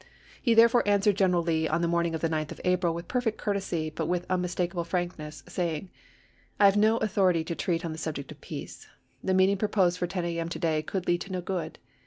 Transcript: He therefore answered General Lee on the morn ing of the 9th of April with perfect courtesy, but with unmistakable frankness, saying :" I have no authority to treat on the subject of peace. The meeting proposed for 10 A. m. to day could lead to no good.